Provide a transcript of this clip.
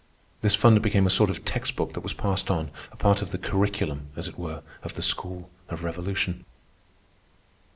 This fund became a sort of text book that was passed on, a part of the curriculum, as it were, of the school of Revolution.